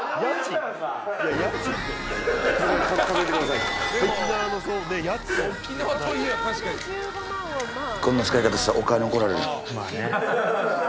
こんな使い方したらおかあに怒られるぞ。